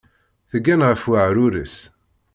Teggan ɣef uɛrur-is.